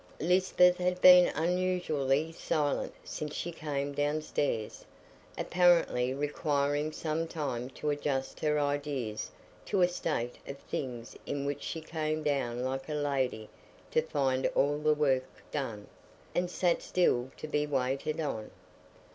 Lisbeth had been unusually silent since she came downstairs, apparently requiring some time to adjust her ideas to a state of things in which she came down like a lady to find all the work done, and sat still to be waited on.